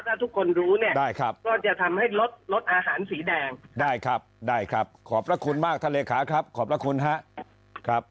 ถ้าทุกคนรู้เนี่ยได้ครับก็จะทำให้ลดลดอาหารสีแดงได้ครับได้ครับขอบพระคุณมากท่านเลขาครับขอบพระคุณครับ